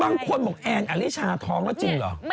บางคนบอกแอนอลิชาท้องแล้วจริงเหรอ